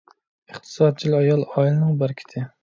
ئىقتىسادچىل ئايال — ئائىلىنىڭ بەرىكىتى.